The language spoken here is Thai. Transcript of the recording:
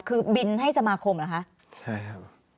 คือบินให้สมาคมเหรอคะใช่ครับ